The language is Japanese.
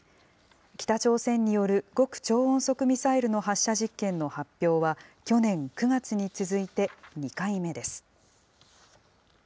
北朝鮮による極超音速ミサイルの発射実験の発表は、去年９月に続いて２回目です。